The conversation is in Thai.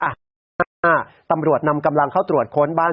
อ่าตำรวจนำกำลังเข้าตรวจค้นบ้าน